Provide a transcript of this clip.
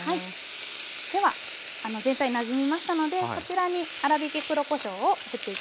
では全体なじみましたのでこちらに粗びき黒こしょうをふっていきます。